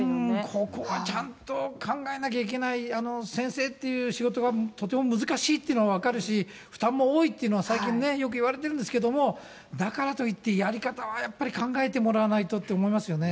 ここはちゃんと考えなきゃいけない、先生っていう仕事がとても難しいっていうのは分かるし、負担も多いっていうのは最近よくいわれてるんですけども、だからといって、やり方はやっぱり考えてもらわないとって思いますよね。